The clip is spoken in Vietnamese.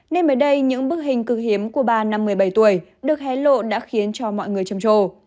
nên mới đây những bức hình cực hiếm của bà năm một mươi bảy tuổi được hé lộ đã khiến cho mọi người châm trồ